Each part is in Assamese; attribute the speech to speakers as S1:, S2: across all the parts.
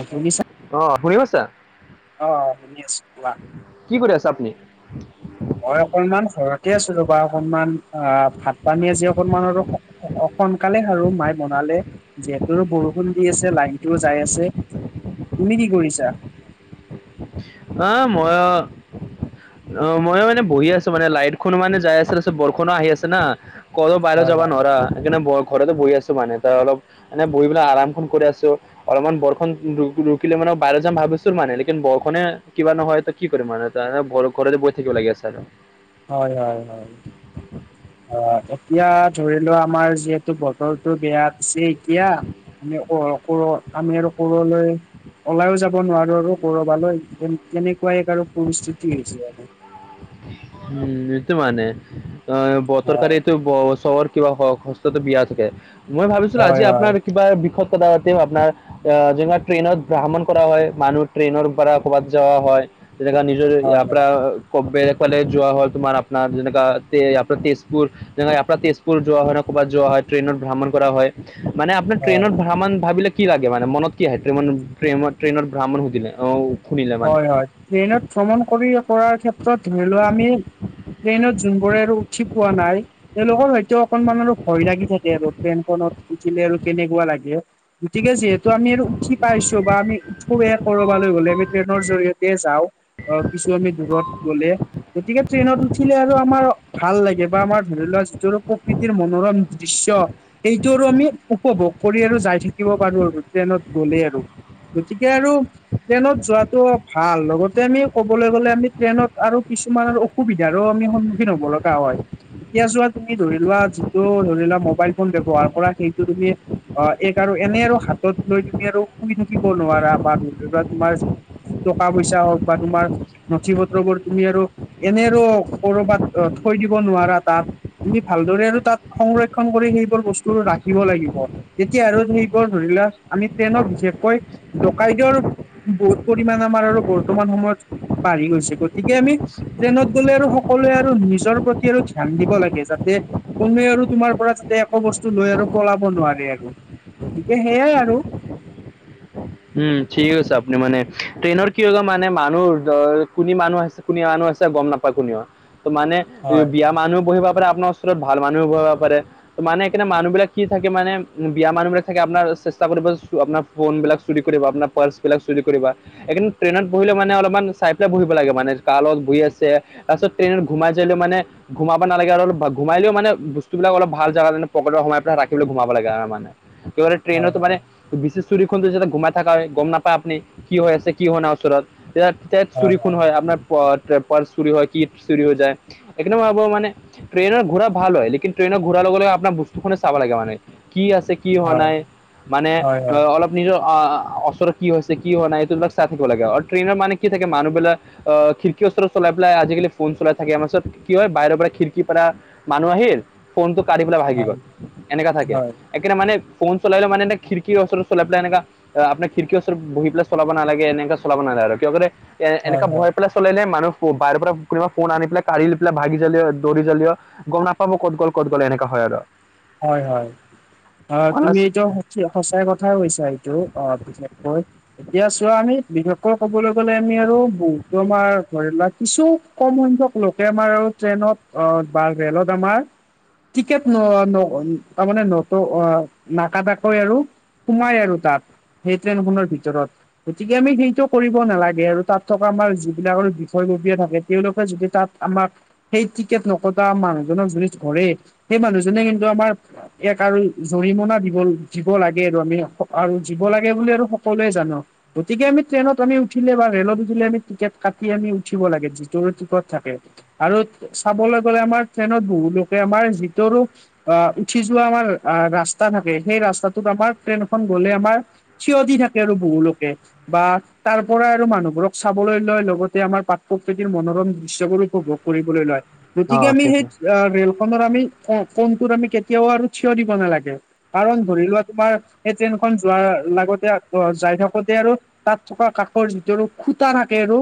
S1: অপুনি ছা
S2: অ শুনি পাইছা
S1: অ অ শুনি আছো কোৱা
S2: কি কৰি আছে আপুনি
S1: মই অকনমান ঘৰতে আছিলো বা অকনমান অ ভাত পানী আজি অকনমান আৰু অ সোনকালে খালো মাই বনালে জেকেৰো বৰষুণ দি আছে লাইনটো যাই আছে তুমি কি কৰিছা
S2: আহ মই অ মই মানে বহি আছো মানে লাইটখন মানে যাই আছে তাৰপাছত বৰষুণো আহি আছে না কতো বাহিৰ
S1: হয়
S2: যাবা নোৱাৰা সেইকাৰণে ঘৰতে বহি আছো মানে তই অলপ এনেই বহি পেলাই আৰামখন কৰি আছো অলপমান বৰষণ ৰু ৰুকিলে মানে বাহিৰ যাম ভাবিছো মানে লেকিন বৰষুণে কিবা নহয় ত কি কৰিম মানে এনে ঘ ঘৰ বৈ থাকিব লাগিয়া আছে আৰু
S1: হয় হয় হয়
S2: [unintelligible]
S1: অ এতিয়া ধৰিলোৱা আমাৰ যিহেতু বতৰটো বেয়া আছে এতিয়া মানে অ কোৰ আমি আৰু কোৰলৈ ওলাইও যাব নোৱাৰো আৰু কৰবালৈ এ কেনেকুৱা এক আৰু পৰিস্থিতি হৈছে আৰু
S2: উম এইটো মানে অ
S1: হয়
S2: বতৰকাৰীটো ব চহৰ কিবা হস্তত বিয়া থাকে মই ভাবিছিলো আজি
S1: হয় হয়
S2: আপোনাৰ কিবা বিষয়ত কথা পাতিম আপোনাৰ আ যেনেকুৱা ট্ৰেইনত ভ্ৰমণ কৰা হয় মানুহ ট্ৰেইনৰ পৰা ক'ৰবাত যোৱা হয় যেনেকা নিজ
S1: হয়
S2: ইয়াৰ পৰা
S1: হয়
S2: কক বেলেগ‌ ফালে যোৱা হল, তোমাৰ আপোনাৰ যেনেকুৱা ইয়াৰ পৰা তেজপুৰ। যেনেকৈ আপোনাৰ তেজপুৰ যোৱা হয় ন, ক'ৰবাত যোৱা হয় ট্ৰেইনত ভ্ৰমণ কৰা হয়। মানে আপোনাৰ
S1: হয়।
S2: ট্ৰেইনত ভ্ৰমণ ভাবিলে। কি লাগে মানে মনত কি আহে? টেন প্ৰেম ট্ৰেইনত ভ্ৰমণ সুধিলে অঁ।
S1: হয় হয়, ট্ৰেইনত ভ্ৰমণ কৰি কৰাৰ ক্ষেত্ৰত ধৰি লোৱা আমি ট্ৰেইনত যোনবোৰে আৰু উঠি পোৱা নাই। তেওঁলোকৰ হয়তো অকনমান আৰু ভয় লাগি থাকে আৰু ট্ৰেইনখনত উঠিলে আৰু কেনেকুৱা লাগে। গতিকে যিহেতু আমি আৰু উঠি পাইছো বা আমি উঠোৱে কৰবালৈ গ'লে আমি। ট্ৰেইনৰ জৰিয়তে যাওঁ, অঁ কিছু আমি দূৰত গ'লে। গতিকে ট্ৰেইনত উঠিলে আৰু আমাৰ ভাল লাগে বা আমাৰ ধৰি লোৱা যিটো প্ৰকৃতিৰ মনোৰম দৃশ্য। সেইটো আৰু আমি উপভোগ কৰি আৰু যাই থাকিব পাৰো আৰু ট্ৰেইনত গ'লে আৰু। গতিকে আৰু ট্ৰেইনত যোৱা। টো ভাল, লগতে আমি ক'বলৈ গ'লে আমি ট্ৰেইনত আৰু কিছুমান অসুবিধাৰো আমি সন্মুখীন হব ল গা হয়, এতিয়া যোৱা তুমি ধৰি লোৱা যিটো ধৰি লোৱা মোবাইল ফোন ব্যৱহাৰ কৰা, সেইটো তুমি অঁ এক আৰু এনেই আৰু হাতত লৈ তুমি আৰু শুই থাকিব নোৱাৰা বা নতুবা তোমাৰ টকা পইচা হওক বা তোমাৰ নথি পত্ৰবোৰ তুমি আৰু এনেই আৰু কৰবাত থৈ দিব নোৱাৰা তাত। আমি ভালদৰে আৰু তাত সংৰক্ষন কৰি সেইবোৰ বস্তু ৰাখিব লাগিব। তেতিয়া আৰু সেইবোৰ ধৰি লোৱা, আমি ট্ৰেইনত বিশেষকৈ ডকাইতৰ বহুত পৰিমাণ আমাৰ আৰু বৰ্তমান সময়ত বাঢ়ি গৈছে। গতিকে আমি ট্ৰেইনত গ'লে আৰু সকলোৱে আৰু নিজৰ প্ৰতি আৰু ধ্যান দিব লাগে। যাতে কোনোৱে আৰু তোমাৰ পৰা যাতে একো বস্তু লৈ আৰু পলাব নোৱাৰে আৰু গতিকে সেইয়াই আৰু।
S2: উম ঠিক আছে আপুনি মানে, ট্ৰেইনৰ কি হয় মানে মানুহ কুনি মানুহ আছে। কুনী মানুহ আছে গম নাপায় কোনেও, ত মানে
S1: হয়
S2: বেয়া মানুহ বহিবা পাৰে আপোনাৰ ওচৰত ভাল মানুহও বহিব পাৰে। মানে সেইকাৰণে মানুহবিলাক কি থাকে মানে বেয়া মানুহ বিলাক থাকে, আপোনাৰ চেষ্টা কৰিব আপোনাৰ ফোন বিলাক চুৰি কৰিব, আপোনাৰ পাৰ্চ বিলাক চুৰি কৰিব। এইকাৰনে ট্ৰেইনত বহিলে মানে অলপমান চাই পেলাই বহিব লাগে মানে, কাৰ লগত বহি আছে। তাৰপাছত ট্ৰেইনত ঘোমাই যালেও মানে। ঘোমাবা নালাগে আৰু অলপ ঘুমালেও মানে বস্তুবিলাক অলপ ভাল জাগাত পৰা পকেতত ৰাখি ঘোমাব লাগে আৰু মানে। [unintelligible]
S1: হয়
S2: ট্ৰেইনতো মানে
S1: হয়
S2: বিচি চুৰি খন যাতে গোমাই থকা হয় গম নাপায় আপুনি কি হৈ আছে কি হোৱা নাই ওচৰত। এইয়াত টেট চুৰি খুন হয় আপোনাৰ। পাচ পাচ চৰি হয় কি চুৰি হৈ যায়, সেইকাৰণে আপোনাক মানে ট্ৰেইনৰ ঘূৰা ভাল হয়, লেকিন ট্ৰেইনৰ ঘূৰা লগে লগে আপোনাৰ বস্তুফালে চাব লাগে মানে কি আছে। কি হোৱা
S1: হয়
S2: নাই মানে
S1: হয় হয় হয় হয় হয়
S2: অলপ নিজৰ। অঁ, ওচৰত কি হৈছে কি হোৱা নাই এইটো অলপ চাই থাকিব লাগে আৰু ট্ৰেইনৰ মানে কি থাকে, মানুহবিলাক আঁহ খিৰিকিৰ ওচৰত চলাই পেলাই আজিকালি ফোন চলাই থাকে আমাৰত কি হয় বাহিৰৰ পৰা খিৰিকীৰ পাৰা মানুহ আহিল, ফোনটো কাঢ়ি পেলাই ভাগি গল এনেকা থাকে।
S1: হয়
S2: সেইকাৰণে মানে ফোন চলাই চলালেও মানে খিৰিক ওচৰত চলাই পেলাই এনেকা অ আপোনাৰ খিৰিকৰ ওচৰত বহি পেলাই চলাব নালাগে, এনেকা চলাব নালাগে আৰু কিয় কৰে এনেকা বহাই পেলাই চলাই নে মানুহ বাহিৰ পৰা কোনোবা ফোন আনি পেলাই কাঢ়ি পেলাই ভাগি যালিও দৌৰি যালিও গম নাপাম আৰু কত গ'ল ক'ত গল এনেকা হয় আৰু।
S1: হয় হয়, অ তুমি এইটো সঁচাই কথাই কৈছা, এইটো অঁহ বিশেষকৈ। এতিয়া চোৱা আমি বিশষৈ কবলৈ গ'লে আমি আৰু বহুতো আমাৰ ধৰি লোৱা কিছু কম সংখ্যক লোকে আমাৰ আৰু ট্ৰেইনত আ, বা ৰেলত আমাৰ টিকট নহোৱা তাৰমানে নত অ' নাকাাটাকৈ আৰু সোমাই আৰু তাত। সেইট্ৰেন খনৰ ভিতৰত গতিকে আমি সেইটো কৰিব নালাগে আৰু তাত থকা আমাৰ যিবিলাক বিষয়ববীয়া থাকে তেওঁলোকে যদি তাত আমাক সেই টিকেট নকটা মানুহজনক যদি ধৰে সেই মানুহজনে কিন্তু আমাৰ এক আৰু জৰিমনা দিব দিব লাগে আৰু আমি আৰু দিব লাগে বুলি আৰু সকলোৱে জানো গতিকে আমি ট্ৰেইনত আমি উঠিলে বা ৰেলত উঠিলে আমি টিকেট কাটি আমি উঠিব লাগে যিটো টিকট থাকে। আৰু চাবলৈ গ'লে আমাৰ ট্ৰেইনত বহু লোকে আমাৰ যিটোৰ আ, উঠি যোৱা আমাৰ আ, ৰাস্তা থাকে সেই ৰাস্তাটোত আমাৰ ট্ৰেইনখন গলে আমাৰ থিয় দি থাকে আৰু বহু লোকে বা তাৰ পৰাই আৰু মানুহবোৰক চাবলৈ লয় লগতে আমাৰ পাক প্ৰকৃতিৰ মনোৰম দৃশ্য বোৰো [unintelligible] কৰিবলৈ লয়, গতিকে
S2: অঁ
S1: আমি
S2: ঠিক আছে
S1: সেই আ, ৰেল খনৰ আমি কম [unintelligible] আমি কেতিয়াও আৰু থিয় দিব নালাগে কাৰণ ধৰি লোৱা তোমাৰ সেই ট্ৰেইনখন যোৱাৰ লগতে যাই থাকোতে আৰু তাত থকা কাষৰ যিটো আৰু খুতা থাকে আৰু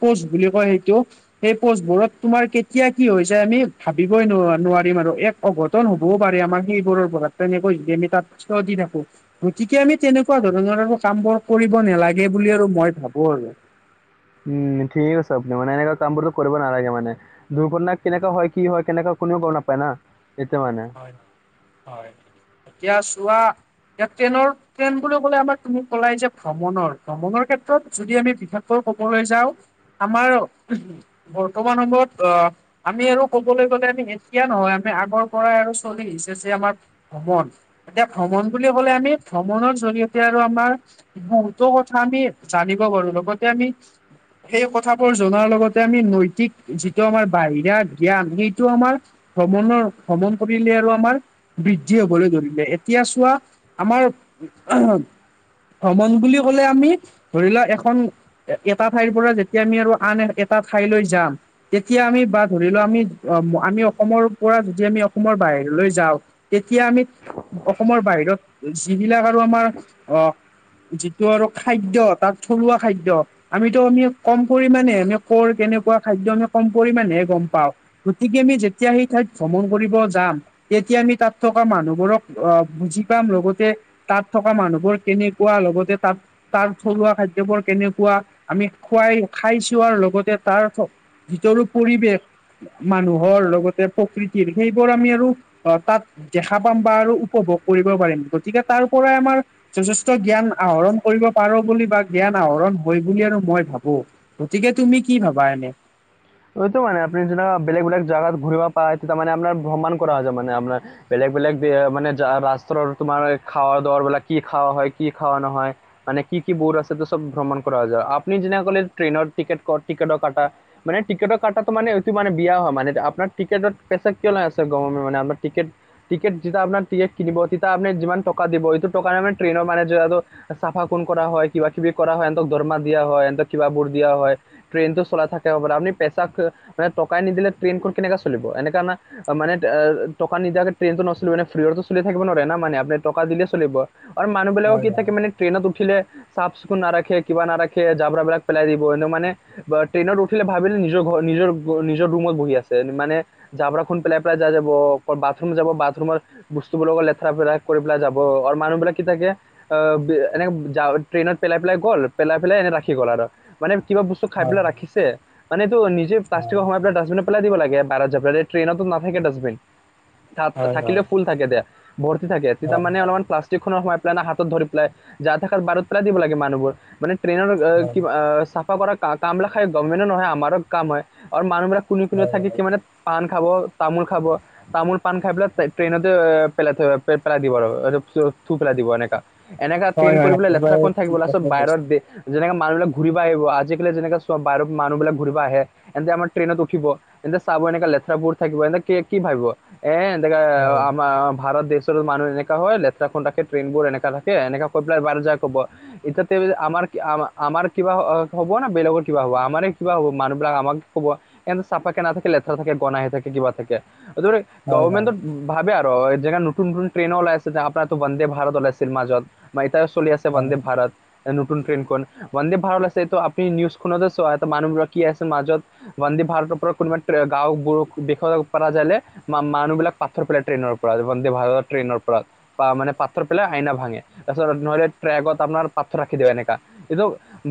S1: পোচ বুলি কয় সেইটো সেই পোষ্টবোৰত তোমাৰ কেতিয়া কি হৈ যায় আমি ভাবিবই ন নোৱাৰিম আৰু এক অঘটন হ'বও পাৰে আমাৰ সেইবোৰৰ পৰা তেনেকৈ যদি আমি তাত থিয় দি থাকো। গতিকে আমি তেনেকুৱা ধৰণৰ আৰু কাম বোৰ কৰিব নালাগে বুলি আৰু মই ভাবো আৰু
S2: উম, ঠিকে কৈছে আপুনি মানে এনেকুৱা কামবোৰ কৰিব নালাগে মানে দুৰ্ঘটনা কেনেকা হয়, কি হয় কেনেকুৱা কোনেও গম নাপায় না এইতো মানে
S1: হয়, এতিয়া চোৱা এতিয়া ট্ৰেইনৰ ট্ৰেইন বুলি কলে আমাৰ তুমি কলাই যে ভ্ৰমণৰ ভ্ৰমণৰ ক্ষেত্ৰত যদি আমি বিশেষকৈ কবলৈ যাওঁ আমাৰ বৰ্তমান সময়ত অ', আমি আৰু ক'বলৈ গ'লে আমি এতিয়া নহয় আমি আগৰ পৰাই আৰু চলি আহিছে যে আমাৰ ভ্ৰমণ এতিয়া ভ্ৰমণ বুলি ক'লে আমি ভ্ৰমণৰ জৰিয়তে আৰু আমাৰ [unintelligible] টো কথা আমি জানিব পাৰো লগতে আমি সেই কথাবোৰ জনাৰ লগতে আমি নৈতিক যিটো আমাৰ বাহিৰা জ্ঞান সেইটো আমাৰ ভ্ৰমণৰ ভ্ৰমণ কৰিলে আৰু আমাৰ বৃদ্ধি হবলৈ ধৰিলে এতিয়া চোৱা আমাৰ ভ্ৰমণ বুলি কলে আমি ধৰি লোৱা এখন এটা ঠাইৰ পৰা যেতিয়া আমি আৰু আন এটা ঠাইলৈ যাম তেতিয়া আমি বা ধৰি লোৱা আমি আমি অসমৰ পৰা যে আমি অসমৰ বাহিৰলৈ যাওঁ তেতিয়া আমি অসমৰ বাহিৰত যিবিলাক আৰু আমাৰ অ', যিটো আৰু খাদ্য তাৰ থলুৱা খাদ্য আমিতো আমি কম পৰিমানেহে আমি কৰ কেনেকুৱা খাদ্য আমি কম পৰিমাণেহে গম পাওঁ। গতিকে আমি যেতিয়া সেই থাইত ভ্ৰমণ কৰিব যাম তেতিয়া আমি তাত থকা মানুহবোৰক আ, বুজি পাম লগতে তাত থকা মানুহবোৰ কেনেকুৱ লগতে তাত তাৰ থলুৱা খাদ্যয় বোৰ কেনেকুৱা আমি খুৱাই খাইছোৱাৰ লগতে তাৰ যিতো আৰু পৰিৱেশ মানুহৰ লগতে প্ৰকৃতিৰ সেইবোৰ আমি আৰু অ', তাত দেখা পাম বা আৰু উপভোগ কৰিব পাৰিম গতিকে তাৰ পৰাই আমাৰ যথেষ্ট জ্ঞান আহৰণ কৰিব পাৰো বুলি বা জ্ঞান আহৰণ হয় বুলি আৰু মই ভাবো। গতিকে তুমি কি ভাবা এনে?
S2: এইটো মানে আপুনি যেনকা বেলেগ বেলেগ জাগাত ঘূৰিব পায় তাৰমানে আপোনাৰ ভ্ৰমাণ কৰা হৈ যায় মানে আপোনাৰ। বেলেগ বেলেগ দে মানে ৰাষ্ট্ৰৰ তোমাৰ খাৱৰ দৱাৰ বিলাক কি খোৱা হয় কি খোৱা নহয় মানে কি কি বোৰ আছে ত সব ভ্ৰমণ কৰা যাব, আপনি যেনেকে কলে ট্ৰেইনৰ টিকেট কৰ টিকেটৰ কথা টিকেটৰ কটাটো মানে এইটো মানে বিয়া হয় মানে আপোনাৰ টিকেটত [unintelligible] আছে মানে আমাৰ টিকেট টিকেট যেতিয়া আপোনাৰ টিকেট কিনিব তেতিয়া আপনি যিমান টকা দিব এইটো টকাৰে মানে ট্ৰেইনৰ মানে জোৰাব। চাফা কুণ কৰা হয়, কিবা কিবি কৰা হয় ইহঁতক দৰমা দিয়া হয়, ইহঁতক কিব বোৰ দিয়া হয় ট্ৰেইনটো চলাই থাকে হবলা, আপুনি পেচাক মানে টকাই নিদিলে ট্ৰেইনখন কেনেকা চলিব এনেকা আমা অ মানে অ টকা নিদিয়াকে ট্ৰেইনতো নচলিব মানে ফ্ৰীয়টো চল থাকিব নোৱাৰে না মানে আপুনি টকা দিলে চলিব। আৰু মানুহ বিলাকো
S1: হয়
S2: কি থাকে মানে ট্ৰেইনত উঠিলে চাফ চিকুণ নাৰাখে কিবা নাৰাখে জাবৰা বিলাক পেলাই দিব এনো মানে বা ট্ৰেইনত উঠিলে ভাবিলে নিজৰ ঘৰ নিজৰ নিজৰ ৰুমত বহি আছে মানে জাবৰা খন পেলাই পেলাই যাই যাব, বাথৰুম যাব বাথৰুমত বস্তুবোৰ লগত লেতেৰা পেৰা কৰি পেলাই যাব আৰু মানুহ বিলাক কি থাকে অ এনেকে জা ট্ৰেইনত পেলাই পেলাই গ'ল পেলাই পেলাই এনে ৰাখি গ'ল আৰু। মানে কিবা বস্তু খায়
S1: হয় হয়
S2: পেলাই ৰাখিছে মানে এইটো নিজে প্লাষ্টিকৰ সোমাই পেলাই ডাষ্টবিনত পেলাই দিব লাগে বাৰ জাবৰাটো ট্ৰেইনতটো নাথাকে ডাষ্টবিন। থা
S1: হয় হয় হয় হয়
S2: থাকিলেও ফুল থাকে দেয়া, ভৰ্তি থাকে তেতিয়া মানে অলপমান প্লাছ খনত সোমাই পেলাই না হাতত ধৰি পেলাই যা থকা বাৰত পেলাই দিব লাগে মানুহবোৰ মানে ট্ৰেইনৰ কিবা চাফা কৰা কাম বিলাক খাই গভমেন্টৰ নহয় আমাৰো কাম হয় আৰু মানুহ বিলাক কোনে কোনে
S1: হয়
S2: থাকে কি
S1: হয়
S2: মানে পাণ খাব তামোল খাব। তামোল পান খাই পেলাই ট্ৰে ট্ৰেইনতে পেলাই থৈ পেলাই দিব আৰু থু পেলাই দিব এনেকা। এনেকা
S1: হয়
S2: ট্ৰেইন কৰি
S1: হয়
S2: পেলাই লেতেৰা
S1: একেবাৰে
S2: কোন থাকিব
S1: ঠিক
S2: সব
S1: কথা কৈছে
S2: বাহিৰত দে যেনেকা মানুহিলাক ঘূৰিব আহিব আজিকালি যেনেকা সব বাহিৰত মানুহবিলাক ঘুৰিব আহে ইহঁতে আমাৰ ট্ৰেইনত উঠিব ইহঁতে চাব এনেকা লেতেৰাবোৰ থাকিব, এনেকে কি ভাবিব? এ এন্দেকা
S1: হয়
S2: আমাৰ ভাৰত দেশ মানুহ এনেকা হয় লেৰাখন ৰাখে ট্ৰেইনবোৰ এনেকা ৰাখে এনেকা কৈ পেলাই বাহিৰত যায় কব। ইতিয়াতে আমাৰ আমাৰ কিবা হ'ব না বেলেগৰ কিবা হ'ব? আমাৰে কিবা হ'ব মানুহবিলাক আমাক কব, ইহতে চাফাকে নাথাকে লেতেৰা থাকে গনাই থাকে কিবা থাকে। [unintelligible]
S1: হয় হয়
S2: গৱমেণ্টত ভাবে আৰু এই যেনেকে নতুন নতুন ট্ৰেইনো ওলাই আছে আপোনাৰ এইটো বন্দে ভাৰত ওলাইছিল মাজত। এতিয়াও চলি আছে
S1: হয়
S2: বন্দে ভাৰত। এ নতুন ট্ৰেইনখন, বন্দে ভাৰত আছে এইটো আপুনি নিউজ খনতে চোৱা মানুহবোৰৰ কি আছে মাজত বন্দে ভাৰতৰ পৰা কোনোবা ট্ৰে গাঁওবোৰো [unintelligible] ম মানুহ বিলাক পাথৰ পেলাই ট্ৰেইনৰ পৰা বন্দে ভাৰত ট্ৰেইনৰ পৰা। বা মানে পাথৰ পেলাই আইনা ভাঙে, তাৰপিছত নহলে ট্ৰেকত আপোনাৰ পাথৰ ৰাখি দিব এনেকা। এইটো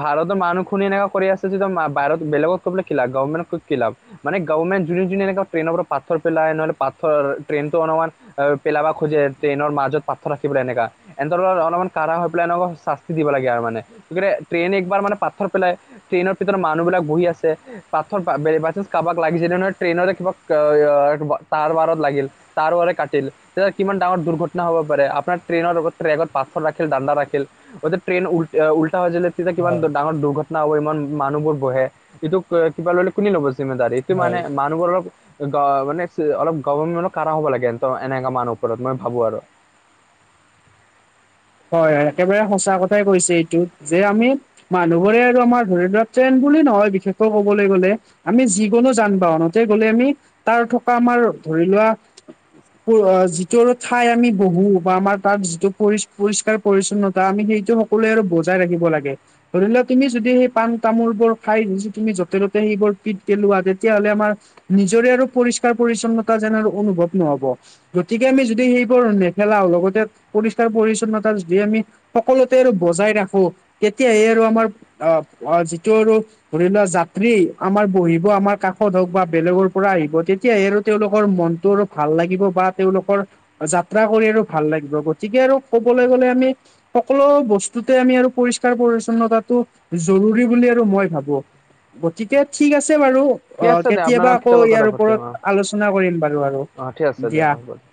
S2: ভাৰতৰ মানুহখনে এনেকা কৰি আছে যেতিয়া বাহিৰত বেলেগক কৈ পেলাই কি লাভ? গৰ্মেনক কৈ কি লাভ? মানে গভমেণ্ট যোনে যোনে এনেকা ট্ৰেইনৰ পৰা পাথৰ পেলাই নহ'লে পাথৰ ট্ৰেইনটো অনমান অ পেলাব খোজে ট্ৰেইনৰ মাজত পা্থৰ ৰাখিবলে এনেকা। ইহঁতৰ অলপমান কাঢ়া হৈ পেলাই এনেকুৱা শাস্তি দিব লাগে আও মানে, ট্ৰেইন একবাৰ মানে পাথৰ পেলাই ট্ৰেইনৰ ভিতৰত মানুহবিলাক বহি আছে পাথৰ বাইচাঞ্চ কাৰোবাক লাগি যদি নহয় ট্ৰেইন কিবা [unintelligible] তাৰ বাৰত লাগিল তাৰ বাৰে কাটিল তেতিয়া কিমান ডাঙৰ দুৰ্ঘটনা হব পাৰে, আপোনাৰ ট্ৰেইনৰ আগত ট্ৰেকত পাথৰ ৰাখিল দান্দা ৰাখিল। এই দে ট্ৰেইন উল্টা, উল্টা হৈ যায় তেতিয়া কিমান
S1: হয়
S2: ডাঙৰ দুৰ্ঘটনা হ'ব, ইমান মানুহবোৰ বহে, এইটো কিবা ল'লে কোনে লব জিমিদাৰি? এইটো
S1: হয়
S2: মানে মানুহৰ লগত মানে অলপ গভাৰ্ণমেণ্ট ও কাৰা হ'ব লাগে এনেকা মানুহৰ ওপৰত, মই ভাবো আৰু
S1: হয় হয়। একেবাৰে সঁচা কথাই কৈছে এইটো যে, আমি মানুহবোৰে আৰু আমাৰ ধৰি ধক ট্ৰেইন বুলি নহয় বিশেষকৈ কবলৈ গ'লে, আমি যিকোনো যান বাহনতে গলে, আমি তাৰ থকা আমাৰ ধৰি লোৱা যিটো আৰু ঠাই আমি বহো বা আমাৰ তাৰ যিটো পৰি পৰিষ্কাৰ পৰিছন্নতা আমি সেইটো সকলোৱে আৰু বজাই ৰাখিব লাগে। ধৰি লোৱা তুমি যদি সেই পাণ তামোল বোৰ খাই তুমি য'তে ত'তে, সেইবোৰ পিট পেলোৱা তেতিয়াহ'লে আমাৰ নিজৰে আৰু পৰিষ্কাৰ পৰিচ্ছন্নতা যেন আৰু অনুভৱ নহব। গতিকে আমি যদি সেইবোৰ নেপেলাওঁ, লগতে পৰিষ্কাৰ পৰিচ্ছন্নতা যদি আমি সকলোতে আৰু বজাই ৰাখো, তেতিয়াহে আৰু আমাৰ আহ যিটো আৰু ধৰি লোৱা যাত্ৰী আমাৰ বহিব, আমাৰ কাষত হওক বা বেলেগৰ পৰা আহিব, তেতিয়াহে আৰু তেওঁলোকৰ মন তোৰ আৰু ভাল লাগিব বা তেওঁলোকৰ যাত্ৰা কৰি আৰু ভাল লাগিব। গতিকে আৰু ক'বলৈ গ'লে আমি সকলো বস্তুতে আমি আৰু পৰিষ্কাৰ পৰিচ্ছন্নতা টো জৰুৰী বুলি আৰু মই ভাবো। গতিকে ঠিক আছে বাৰু
S2: ঠিক
S1: অ
S2: আছে দে আপোনালোক
S1: কেতিয়াবা আকৌ
S2: কথা
S1: ইয়াৰ
S2: পাতিম
S1: ওপৰত আলোচনা কৰিম বাৰু আৰু
S2: অ ঠিক আছে
S1: দিয়া।
S2: হ'ব